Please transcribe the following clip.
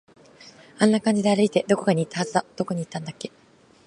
あんな感じで歩いて、どこかに行ったはずだ。どこに行ったんだっけ